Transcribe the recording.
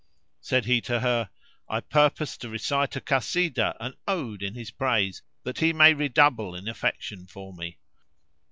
Said he to her, "I purpose to recite a Kasidah, an ode, in his praise, that he may redouble in affection for me."